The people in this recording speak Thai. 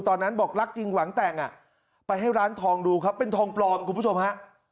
ตอนนั้นบอกรักจริงหวังแต่งอ่ะไปให้ร้านทองดูครับเป็นทองปลอมคุณผู้ชมฮะ